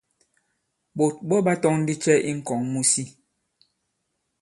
Ɓǒt ɓɔ ɓa tɔ̄ŋ ndi cɛ i ŋ̀kɔ̀ŋ mu si?